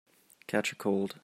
Catch a cold